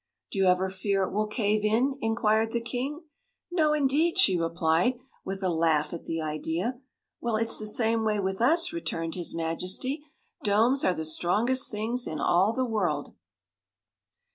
"Do you ever fear it will cave in?" inquired the king. "No, indeed!" she replied, with a laugh at the idea. "Well, it's the same way with us," returned his Majesty. "Domes are the strongest things in all the world."